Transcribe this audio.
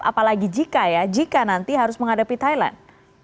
apalagi jika ya jika nanti harus menghadapi thailand